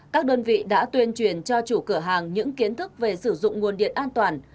các đơn vị đã tuyên truyền cho chủ cửa hàng những kiến thức về sử dụng nguồn điện an toàn